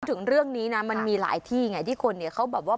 ถึงเรื่องนี้นะมันมีหลายที่ไงที่คนเนี่ยเขาแบบว่า